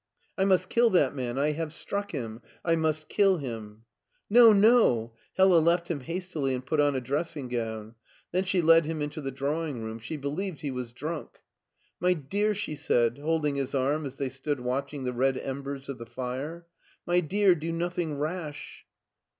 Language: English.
" I must kill that man. I have struck him : I must kill hun." " No, no !" HeHa left him hastily and put on a dressing gown. Then she led him into the drawing room. She believed he was drunk. " My dear," she said, holding his arm as they stood watching the red embers of the fire; *'my dear, do nothing rash."